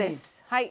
はい。